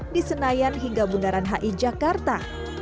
di senayan hingga bundaran hi jakarta